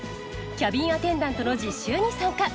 キャビンアテンダントの実習に参加。